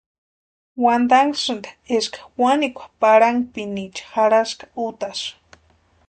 Wantanhasïnti eska wanikwa parhakpiniecha jarhaska útasï.